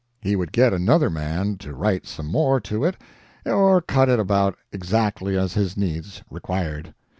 "He would get another man to write some more to it or cut it about exactly as his needs required.